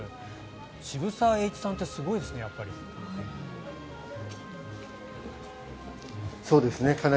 渋沢栄一さんってすごいですね、やっぱり。